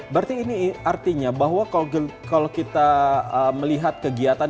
berarti ini artinya bahwa kalau kita melihat kegiatan